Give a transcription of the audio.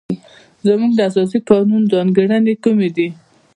زموږ د اساسي قانون ځانګړنې کومې دي؟